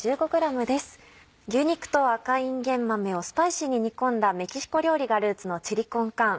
牛肉と赤いんげん豆をスパイシーに煮込んだメキシコ料理がルーツの「チリコンカーン」。